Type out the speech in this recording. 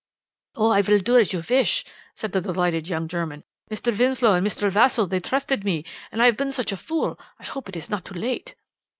"'Oh, I will do as you wish,' said the delighted young German. 'Mr. Winslow and Mr. Vassall, they trusted me, and I have been such a fool. I hope it is not too late.'